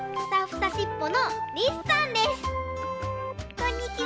こんにちは。